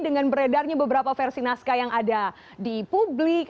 dengan beredarnya beberapa versi naskah yang ada di publik